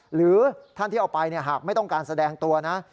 หรือท่านที่เอาไปหากไม่ต้องการแสดงตัวนะ